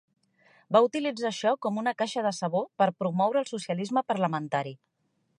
Va utilitzar això com una caixa de sabó per promoure el socialisme parlamentari.